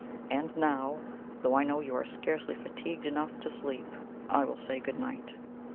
And now, though I know you are scarcely fatigued enough to sleep, I will say good night."